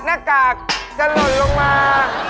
หน้ากากจะหล่นลงมา